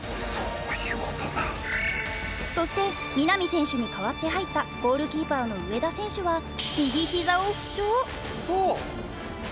そして南選手に代わって入ったゴールキーパーの上田選手は右ひざを負傷。